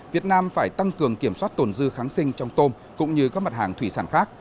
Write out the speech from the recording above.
việt nam phải tăng cường kiểm soát tồn dư kháng sinh trong tôm cũng như các mặt hàng thủy sản khác